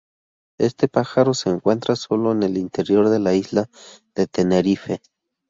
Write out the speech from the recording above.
Este pájaro se encuentra solo en el interior de la isla de Tenerife.